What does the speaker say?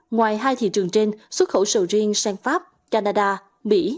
ngoài hai thị trường trên xuất khẩu sầu riêng sang pháp canada mỹ